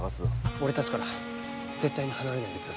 俺たちから絶対に離れないでください。